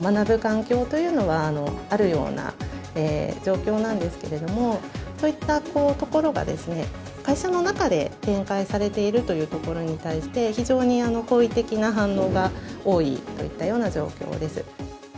社外でも学ぶ環境というのはあるような状況なんですけれども、そういったところが会社の中で展開されているというところに対して、非常に好意的な反応が多いといったような状況です。